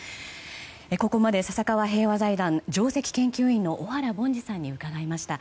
ここまで笹川平和財団上席研究員小原凡司さんに伺いました。